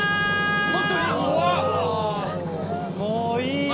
もういいよ。